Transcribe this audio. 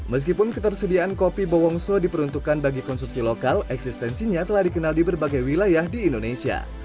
meskipun ketersediaan kopi bowongso diperuntukkan bagi konsumsi lokal eksistensinya telah dikenal di berbagai wilayah di indonesia